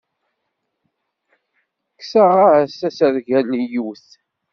Kkseɣ-as asergel i yiwet.